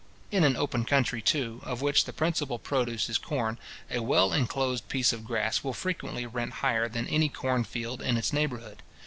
In an open country, too, of which the principal produce is corn, a well inclosed piece of grass will frequently rent higher than any corn field in its neighbourhood.